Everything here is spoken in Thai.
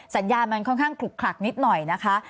สัญญาณมันค่อนข้างขลุกขลักนิดหน่อยนะคะ